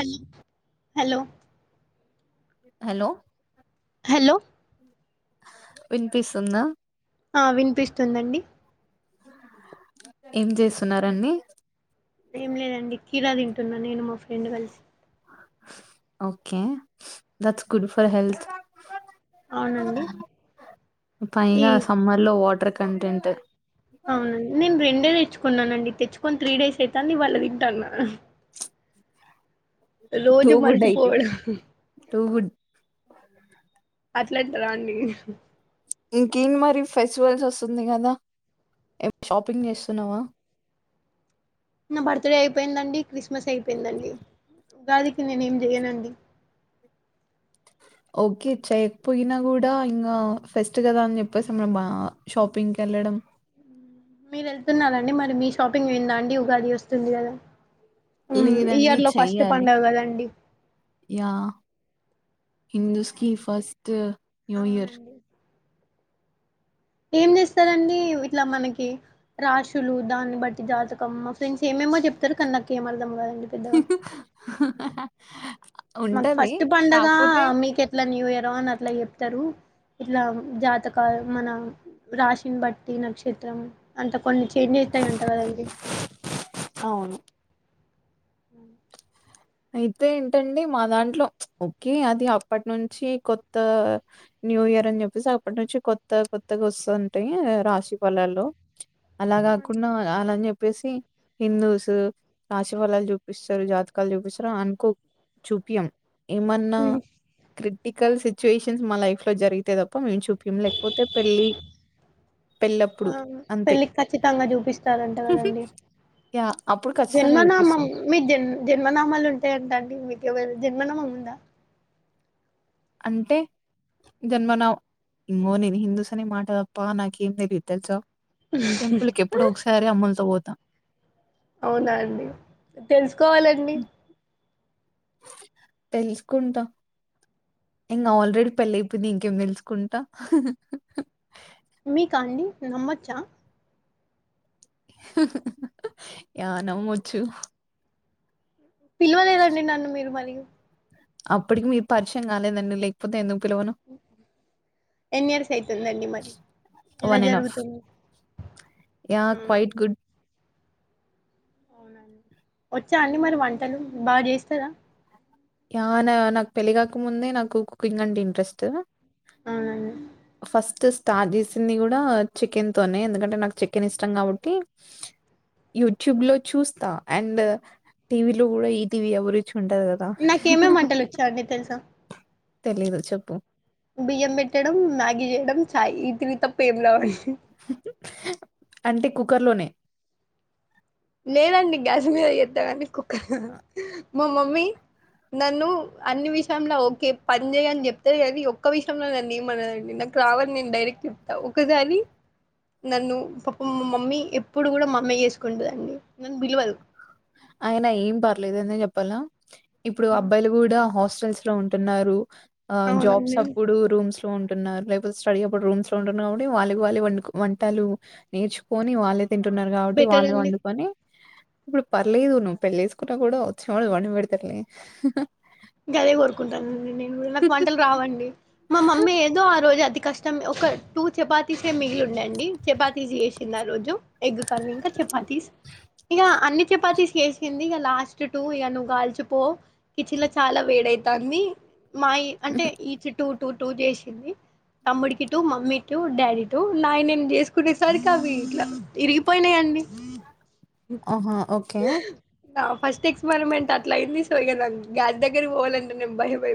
Hello hello hello hello వినిపిస్తుంద ఆ వినిపిస్తుందండి ఏం చేస్తున్నారండి ఏం లేదండి కీరా తింటున్నా నేను మా ఫ్రెండ్ కలిసి okay that's good for health అవునండి ఈ పైగా సమ్మర్ లో వాటర్ కంటెంట్ అవునండి నేన్ రెండే తె చ్చుకున్నానండి తెచ్చుకొని త్రీ డేస్ అయితాంది ఇవాళ్ళ తింటన్నా. టూ రోజు గుడ్ అయితాయి మరిచిపోవడంహా టూ గుడ్ అట్లంటరా అండి ఇంకేం మరి ఫెస్టివల్స్ వస్తుంది కదా ఏమి షాపింగ్ చేస్తున్నవా నా బర్త్డే అయిపోయిందండి క్రిస్మస్ అయిపోయిందండి. ఉగాదికి నేనేం చేయ్యనండి. ఓకే చేయకపోయినా కూడా ఇంగా ఫెస్ట్ కదా అని చెప్పేసి మ బా షాపింగ్ కి వెళ్ళడం, మీరు వెళ్తున్నారండి మరి మీ షాపింగ్ అయిందా అండి ఉగాది వస్తుంది కదా, లేదండి ఇయర్ లో ఫస్ట్ చెయ్యాలి పండుగ కదండి యా హిందుస్ కి ఫస్ట్ న్యూ ఇయర్ అవునండి ఏం చేస్తారండి ఇట్లా మనకి రాశులు దాన్ని బట్టి జాతకం మా ఫ్రెండ్స్ ఏమేమో చెప్తరు కాని నాకు ఏమ్ అర్థం కాదు పెద్దగా హ మాకు ఫస్ట్ పండగ మీకు ఎట్లా న్యూ ఇయర్ రో అట్లా చెప్తరు ఇట్లా జాతకాలు మన రాశిని బట్టి నక్షత్రం అంత కొన్ని చేంజ్ అయితయంట కదండి అవును అయితే ఏంటండి మా దాంట్లో చ్ ఓకే అది అప్పటి నుంచి కొత్త న్యూ ఇయర్ అని చెప్పేసి అప్పటి నుంచి కొత్త కొత్తగా వస్తుంటాయి రాశిఫలాలు అలా కాకుండా అలాని చెప్పేసి హిందూస్ రాశి ఫలాలు చూపిస్తారు జాతకాలు చూపిస్ అలా అనుకోకు చూపియం ఏమన్నా హ్మ్. క్రిటికల్ సిచ్యువేషన్స్ మా లైఫ్ లో జరిగితేే తప్పా మేము చూపియం లేకపోతే పెళ్ళి ఆ పెళ్ళప్పుడు అంతే పెళ్ళికి ఖచ్చితంగా చూపిస్తారంట హుహ్ కదండి అప్పుడు ఖచ్చితంగా చూపిస్తాం అంటే ఏటండి మీకు ఏమైన జన్మనామం ఉందా అంటే జన్మనామం ఎమో నేను హిందూస్ అనే మాటదప్ప నాకేం తెలిదు తెలుసా టెంపుల్కి ఎప్పుడో ఒకసారి అమ్మాల్తో పో తం అవునా అండి తెలుసుకోవాలండి తెలుసుకుంటా ఇంకా ఆల్రెడీ పెళ్ళైపోయింది ఇంకేం తెలుసుకుంటా మీకా అండి నమ్మొచ్చా నమ్మొచ్చు పిలవలేదండి నన్ను మీరు మరి అప్పటికి మీరు పరిచయం కాలేదండి లేకపోతే ఎందుకు పిలవను ఎన్ ఇయర్స్ అవుతుందండి మరి ఎలా వన్ అండ్ హాఫ్ జరుగుతుంది యా క్వైట్ గుడ్ వచ్చా అండి మరి వంటలు బాగా చేస్తదా నా నాకు పెళ్లిగాక ముందే నాకు కుకింగ్ అంటే ఇంట్రెస్ట్ అవునండి ఫస్ట్ స్టార్ట్ చేసింది కూడా చికెన్ తోనే ఎందుకంటే నాకు చికెన్ ఇష్టం కాబట్టి యూట్యూబ్ లో చూస్తా అండ్ టీవీలో కూడా ఈటీవీ ఎవరు నాకేమేమి వంటలు వచ్చోండి తెలుసా తెలీదు చెప్పు బియ్యం పెట్టడం మ్యాగీ చేయడం చాయ్ ఈ త్రీ తప్ప ఏం రావు అంటే కు కుకర్లోనే నేనండి గ్యాస్ మీద చేత్త కానీకు మా మమ్మీ నన్ను అన్ని విషయంలో ఓకే పని చేయని చెప్త కానీ ఒక్క విషయంలో నన్ని ఏమనదండి నాకు రావని నేను డైరెక్ట్ చెప్తా ఒకసారి నన్ను పాప మా మమ్మీ ఎప్పుడు కూడా మా మమ్మీయే చేసుకుంటుంది అండి నన్ బిల్వదు ఆయనా ఏం పర్లేదనే చెప్పాలా ఇప్పుడు అబ్బాయిలు కూడా హాస్ టచ్లో ఉంటున్నారు ఆ జాబ్స్ అవునండి అప్పుడు రూమ్స్ టు ఉంటున్నారు లేపోతే స్టడీ అప్పుడు రూమ్స్ లో ఉంటున్నారు కాబటి వాళ్ళకిళ్ళ వ వంటలు నేర్చుకొని వాళ్లే తింటున్నారు కాబట్టి బెటర్ వాళ్ళని అండి వండుకొని ఇప్పుడు పర్లేదు నువ్వు పెళ్లి చేసుకున్నా కూడా వచ్చినవాళ్ళు వండి పెడతారులే గదే కోరుకుంటాను నేను నాకు వంటలు రావండి మా మమ్మీ ఏదో ఆ రోజు అతి కష్టం ఒక టూ చపాతీసే మిగిలి అండి చపాతీస్ చేసింది ఆ రోజు ఎగ్ కర్రీ ఇంకా చపాతీస్ ఇంగా అన్ని చపాతీస్ చేసింది ఇగ లాస్ట్ టు ఇక నువ్వు కాల్చూపో ఈ చిన్న చిన్న చాలా వేడైతాంది మాయి అంటే ఈ చుట్టూ టూ టూ చేసింది తమ్ముడికి టూ మమ్మీ టూ డాడీ టటు నా నేను చేసుకునేసరి అవి ఇట్లా విరిగిపోయినాయండి ఆహా! ఓకే. ఫస్ట్ ఎక్స్పెరిమెంట్ అట్లా అయ్యింది సో ఇంకా గ్యాస్ దగ్గరికి పోవాలంటేను భయమై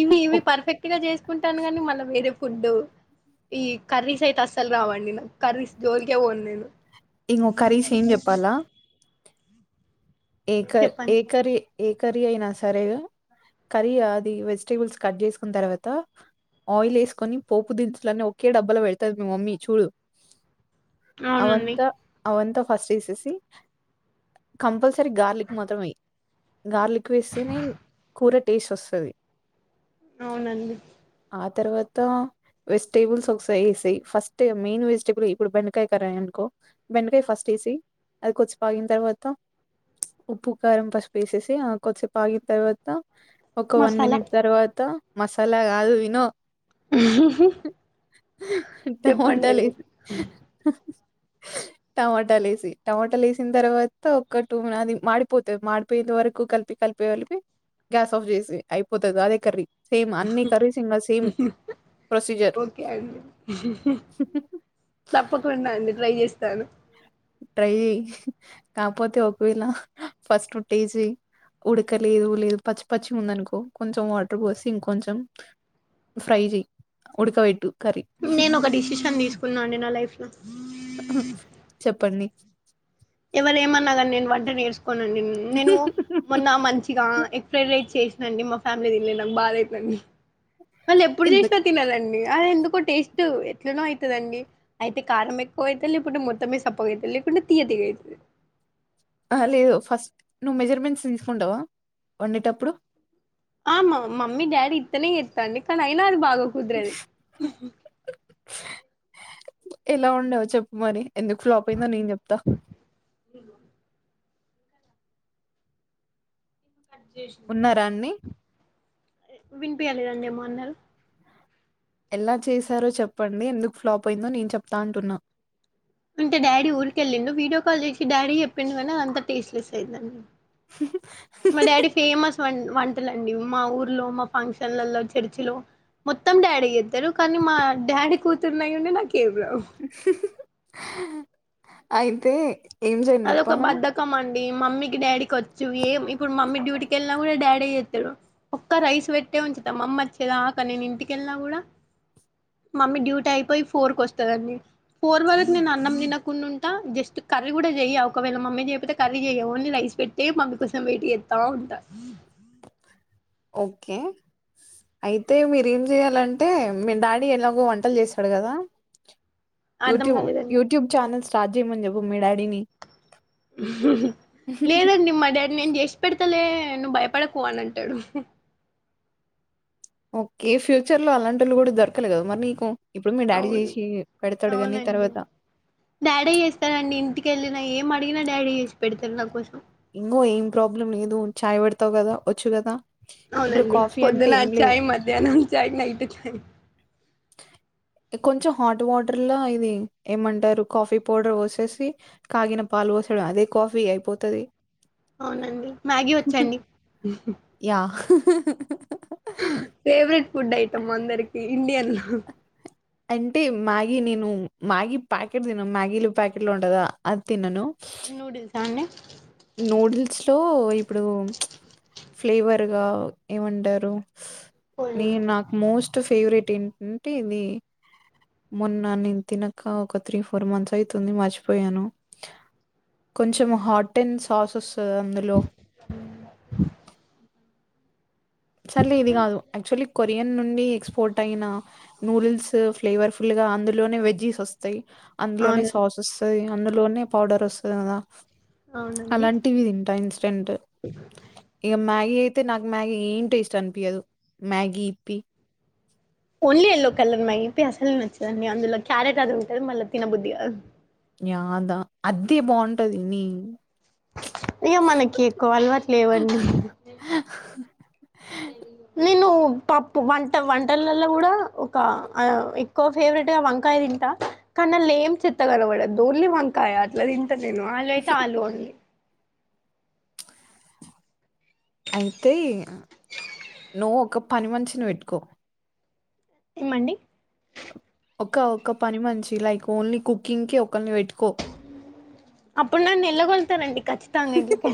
ఇవి ఇవి ఒక్ పర్ఫెక్ట్ గా చేసుకుంటాను కానీ మనం వేరే ఫుడ్డు ఈ కర్రీస్ అయితే అస్సలు రావండి నాకు కర్రీస్ జోలికే పోను నేను ఇగో కరీస్ ఏం చెప్పాలా ఏకర్ ఏ చెప్పండి కర్రీ ఏ కర్రీ అయినా సరే కర్రీ అది వెజిటబుల్స్ కట్ చేసుకున్న తర్వాత ఆయిల్ ఏసుకొని పోపు దినుసులను ఒకే డబ్బాలో పెడతాది మీ మమ్మీ చూడు అవునండి అవంత అవంత ఫస్ట్ ఏసేసి కంపల్ తరి గార్లిక్ మొత్తం వెయ్యి గార్లిక్ వేస్తేనే కూర టేస్ట్ వస్తది అవునండి ఆ తర్వాత వెజిటేబుల్స్ ఒకసారి వేసేయ్ ఫస్ట్ మెయిన్ వెజిటేబుల్ ఇప్పుడు బెండకాయ కరాయి అనుకో బెండకాయ ఫస్ట్ వేసేయ్ అది కొచ్చి పాగిన తర్వాత ఉప్పు కారం పసుపు వేసేసి ఆ కొద్దిసేపు ఆగిన తర్వాత ఒక వన్ మసాలా మినిట్ తర్వాత మసాలా కాదు విను టమాట చెప్పండి లెయ్ అండి టమాటాలు ఏసి టమాటాలు ఏసిన తర్వాత ఒక్క టుమ్ నాది మాడిపోత మాడిపోయేంత వరకు కలిపి కలిపే కలిపి గ్యాస్ ఆఫ్ చేసి అయిపోతది అదే కర్రీ సేమ్ అన్ని కర్రీస్ ఇంగ సేమ్ ప్రొసీజర్. ఓకే అండి తప్పకుండా అండి ట్రై చేస్ స్తను ట్రై చెయి కాపోతే ఒకవేళ ఫస్ట్ టేస్ట్ చేయి ఉడకలేదు లేదు పచ్చి పచ్చి ఉందనుకో కొంచెం వాటర్ పోసి ఇంకొంచెం ఫ్రై చెయి ఉడకవెట్టు నేను ఒక డిసిషన్ తీసుకున్నా అండి నా లైఫ్ ల ఉ చెప్పండి ఎవలేమన్నా గానీ నేను వంట నేరుసు కొను అండి నేను నేను మొన్న మంచిగా ఎగ్ ఫ్రైడ్ రైస్ చేసి అండి మా ఫ్యామిలీ తిన్లే నాకు బాధ అయిపెంది వాళ్ళు ఎప్పుడు చేసినా ఎందుకు? తినరండి అది ఎందు కో టేస్ట్ ఎట్లనో అయితదండి అయితే కారం ఎక్కువ అయితది లేకుంటే మొత్తమే సప్పగా అయితది లేకుంటే తీయ తీయగైతది లేదు ఫస్ట్ నువ్వు మెజర్మెంట్స్ ఎంచుకుంటవా వండేటప్పుడు ఆ మా మమ్మీ డాడీ ఇత్తనే ఎతాంది కనీ అయి న్న అది బాగా కుదురది ఎలా వండా వో చెప్పు మరి ఎందుకు ఫ్లాప్ అయిందో నేను చేప్త ఉన్నారాన్ని వినిపియాలేదండి ఏమొ అన్నరు ఎలా చేసారో చెప్పండి ఎందుకు ఫ్లాప్ అయిందో నేను చెప్తా అంటున్నా అంటే డాడీ ఊరి కేళ్ళిండు వీడియో కాల్ చేసి డాడీ చెప్పిండు కానీ అంత టేస్ట్ లేస్ అయిందండి మా డాడీ ఫేమస్ వంటలండి మా ఊర్లో మా ఫంక్షన్లలో చర్చిలో మొత్తం డాడీ చెత్తరు కానీ మా డాడీ కూతురునై యుండి నాకు ఎంరావు అయితే ఏం చేయండి అదొక చెప్పనా బద్దకం అండి ఈ మమ్మీకి డాడీకి వచ్చు ఏం ఇప్పుడు మమ్మీ డ్యూటీకి ఏళ్ళినా కూడా డాడే చెత్తాడు ఒక్క రైస్ పెట్టే ఉంచుతా మమ్మి వచ్చేదాక నేను ఇంటికెళ్ళిన కూడా మమ్మీ డ్యూటీ అయిపోయి ఫోర్ కు వస్తాదండి ఫోర్ వరకు నేను అన్నం తినకుండా ఉంటా జస్ట్ కర్రీ కూడా చెయ్య ఒకవేళ మమ్మీ చేయపోతే కర్రీ చెయ్య ఓన్లీ రైస్ పెట్టే మమ్మీ కోసం వెయిట్ చేత్త ఉంటా ఓకే అయితే మీరు ఏం చేయాలంటే మీ డాడీ ఎలాగో వంటలు చేస్తడు కదా అర్థం యూట్యూబ్ కాలేదండి యూట్యూబ్ చానల్స్ స్టార్ట్ చేయమని చెప్పు మీ డాడీని లేదండి మా డాడి నేను చేషి పెడు తలే నువు భయపడకు అని అంటడు ఓకే ఫ్యూచర్ లో అలాంటోలు కూడా దొరకలే కదా మరి నీకు ఇప్పుడు మీ డాడీ అవున్ చేసి పెడతాడు కానీ అవునండి తర్వాత డాడి చేస్తాడండీ ఇంటికెల్లీ ఏం అడిగిన డాడీ జేసి పెడతడు నా కోసం ఇంగో ఏం ప్రాబ్లం లేదు చాయ్ పెడతావు గదా వచ్చు గదా అవునండి పొద్దున చాయ్ మధ్యాహ్నం చాయ్ నైట్ చాయ్ కొంచెం హాట్ వాటర్ లో ఇవి ఏమంటారు కాఫీ పౌడర్ పోసేసి కాగిన పాలు పోసుడు అదే కాఫీ అయిపోతది అవునండి మ్యాగీ వచ్చండి యా ఫేవరెట్ ఫుడ్ ఐటమ్ అందరికి ఇండియ లా ఉ అంటే మ్యాగీ నేను మ్యాగీ ప్యాకెట్ తినం మ్యాగీలో ప్యాకెట్ లో ఉంటది కదా ఆది తినను నూడిల్సా అండి నూడిల్స్ లో ఇప్పుడు ఫ్లేవరు ఏమంటారు ఓన్లీ నే నాక్ మోస్ట్ ఫేవరెట్ ఏంటంటే ఇది మొన్న నేను తినక ఒక త్రీ ఫోర్ మంత్స్ అయితుంది మర్చిపోయాను కొంచెం హాటు దెన్ సాసస్ అందులో సర్లే ఇవి కాదు ఆక్చుల్లీ కొరియా యన్ నుండి ఎక్స్పోర్ట్ అయిన నూడిల్స్ ఫ్లేవర్ ఫుల్ గా అందులోనే వెజిస్ వస్తాయ్ అందులోనే అవునండి సాస్ వస్తది అందులోనే పౌడర్ వస్తది కదా అవునండి అలాంటివి తింటా ఇన్స్టెంట్ ఇగ మ్యాగీ అయితే నాక్ మ్యాగీ టేస్ట్ అనిపియదు మ్యాగి ఇప్పి ఓన్లీ ఎల్లో కలర్ మ్యాగీ అయితే అసలు నచ్చదండి అందులో క్యారెట్ అది ఉంటది మళ్ళ తినబుద్ధి కాదు ఆదా అద్దె బాగుంటది నీ ఇగ మనకి ఎక్కువ అలవాటు లేవండి నేను పప్పు వంట వంటలల్లో గుడా ఒక ఆ ఎక్కువ ఫేవరెట్ గా వంకాయ తింటా కానీ దాన్ల ఏం చెత్త కనపడదు ఓన్లీ వంకాయ అట్ల తిన్ నేను ఆలు అయితే ఆలు ఓన్లీ అయితే నువ్వు ఒక పని మనిషిని పెట్టుకో ఏమండీ ఒక ఒక్క పని మనిషి లైక్ ఓన్లీ కుకింగ్ కి ఒక ఒకల్ని పెట్టుకో అప్పుడు నన్ ఎల్లగొళ్తానండి ఖచ్చితంగా ఇంట్లకి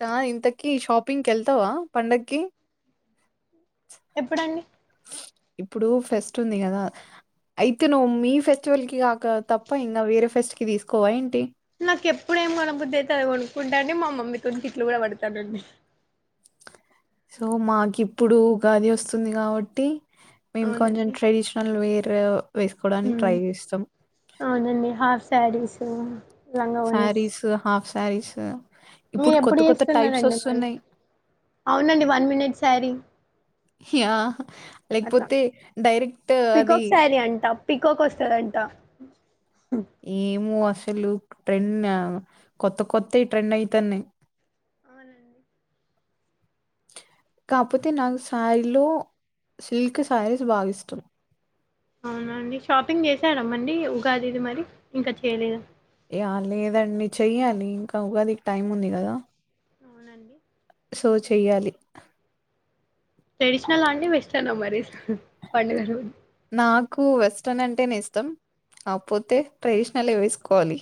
తా ఇంతకీ షాపింగ్ కెల్తావా పండక్కి ఎప్పుడండి ఇప్పుడు ఫెస్ట్ ఉంది గదా అయితే నువ్వు మీ ఫెస్టివల్ కి కాక తప్ప ఇంకా వేరే ఫెస్ట్ కి తీసుకోవా ఏంటి నాకు ఎప్పుడు ఏం కొనబుద్ధి అయితే అది కొనుక్కుంటా అండి. మా మమ్మీతో తిట్లు కూడా పడతానండి. సో మాకి ఇప్పుడు ఉగాది వస్తుంది కాబట్టి మేం కొంచెం అవునండి ట్రెడిషనల్ వేర్ తఒ వేసుకోవడానికి మ్మ్ ట్రై చేస్తాం. సారీసు సారీస్ హాఫ్స్ చారిస్ మీరు ఎప్పుడు చేస్తున్నారండి. మళ్ళ అవునండి వన్ మినిట్ శారీ. ఆ అట్లా లేకపోతే డైరెక్ట్ అది కోక్ వస్తదంట ఏమో అస్ లు ట్రెండ్ కొత్త కొత్తవి ట్రెండ్ అయితన్నాయ్ అవునండి కాకపోతే నాకు శారీలో సిల్క్ శారీస్ బాగా ఇష్టం. అవునండి షాపింగ్ చేసారుమ్మండి ఉగాది ఇది మరి ఇంకా చేయలేదు. యా లేదండి చెయ్యాలి. ఇంకా ఉగాదికి టైం ఉంది కదా! అవునండి సో చెయ్యాలి ట్రెడిషనల్ అండి వెస్టర్న్ మరి పండుగలు నాకు వెస్ట్రన్ అంటేనే ఇష్టం. కాకపోతే ట్రెడిషనల్ ఏ వేసుకోవాలి.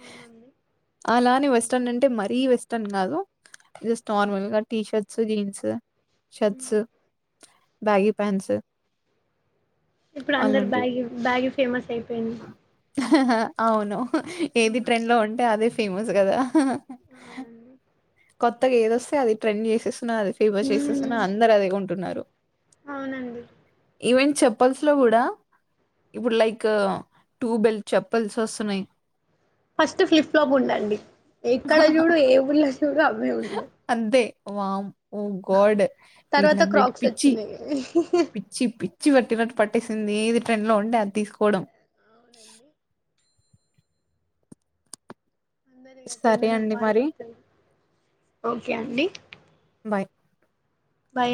అవునండి. అలానే వెస్ట్రన్ అంటే మరీ వెస్ట్రన్ కాదు జస్ట్ నార్మల్ గా T shirts, jeans. Um. Shirts, baggy pants. ఇప్పుడు అందరు అలాంటివి. బ్యాగి బ్యాగి ఫేమస్ అయిపోయింది. హ హె అవును ఏది ఉమ్. ట్రెండ్ లో ఉంటే అదే ఫేమస్ కదా ఆ ఆ అవునండి కొత్తగా ఏదొస్తే అది ట్రెండ్ చేసేస్ అ ఫేమస్ చేసేస్తున్నా మ్మ్ అందరు అదే కొంటున్నారు. అవునండి ఈవెన్ చెప్పల్స్ లో కూడా ఇప్పుడు లైక్ టూబెల్ చెప్పల్స్ వస్తున్నాయి. ఫస్ట్ ఫ్లిప్లాప్ ఉండండి ఎక్కడ చూడు ఏ ఉ చూడు అవ్వే ఉంది. ఒ వమ్ ఓ గాడ్ తర్వాత వీళ్లందరికీ క్రాక్స్ పిచ్చి వచ్చినాయి పిచ్చి పిచ్చి వటినట్టు పట్ట సింది ఏది ట్రెండ్ లో ఉండే అది తీసుకోవడం అందరి గ సరే రెండునే అండి ఫాలో మరి అవుతుంది ఓకే అండి బాయ్ బైన్